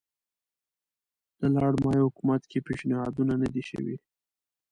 د لارډ مایو حکومت کې پېشنهادونه نه دي شوي.